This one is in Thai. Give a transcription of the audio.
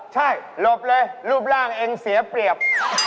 ใช่หลบเลยรูปร่างเองเสียเปรียบ